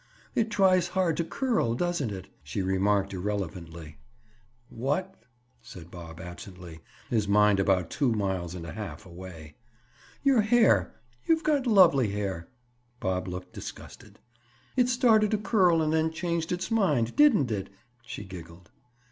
"It tries hard to curl, doesn't it?" she remarked irrelevantly. "What?" said Bob absently, his mind about two miles and a half away. "Your hair. You've got lovely hair." Bob looked disgusted. "It started to curl and then changed its mind, didn't it?" she giggled.